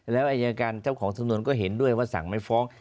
แล้วอายการเจ้าของสำนวนก็เห็นด้วยว่าสั่งไม่ฟ้อง